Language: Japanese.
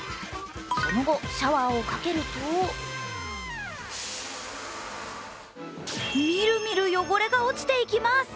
その後、シャワーをかけるとみるみる汚れが落ちていきます。